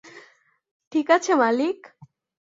ঠিকাছে, মালিক?